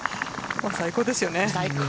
最高ですよね。